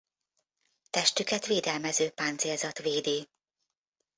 Testüket védelmező páncélzat védi.